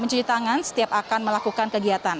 mencuci tangan setiap akan melakukan kegiatan